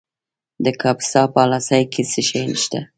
د کاپیسا په اله سای کې څه شی شته؟